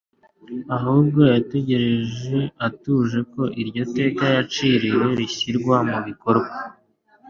ahubwo yategereje atuje ko iryo teka yaciriwe rishyirwa mu bikorwa.